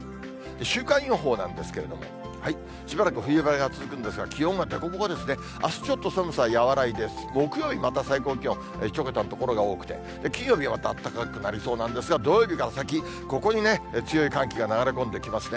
週間予報なんですけれども、しばらく冬晴れが続くんですが、気温が凸凹ですね、あすちょっと寒さ和らいで、木曜日また最高気温１桁の所が多くて、金曜日またあったかくなりそうなんですが、土曜日から先、ここに強い寒気が流れ込んできますね。